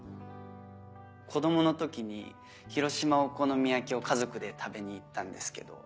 子供の時に広島お好み焼きを家族で食べに行ったんですけど。